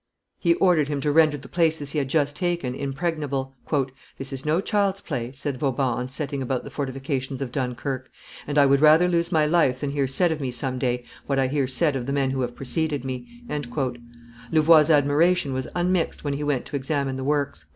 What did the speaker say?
He ordered him to render the places he had just taken impregnable. "This is no child's play," said Vauban on setting about the fortifications of Dunkerque, "and I would rather lose my life than hear said of me some day what I hear said of the men who have preceded me." Louvois' admiration was unmixed when he went to examine the works.